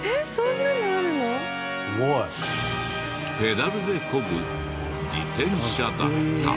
ペダルでこぐ自転車だった。